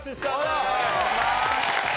お願いします。